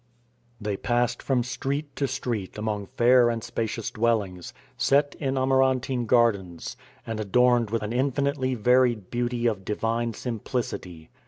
They passed from street to street among fair and spacious dwellings, set in amaranthine gardens, and adorned with an infinitely varied beauty of divine simplicity.